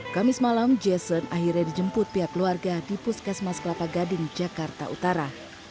kamis malam jason akhirnya dijemput pihak keluarga di puskesmas kelapa gading jakarta utara